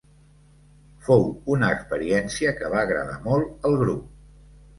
Fou una experiència que va agradar molt al grup.